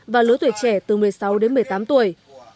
và lứa tuổi trẻ từ một mươi sáu đến một mươi tám tuổi